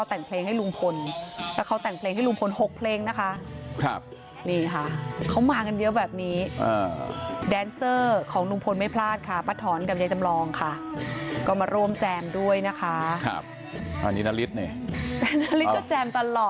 อันนี้นกนิสนี่อ๋อเธอยักษ์ด้วยเหรอนี่ค่ะเอ่อ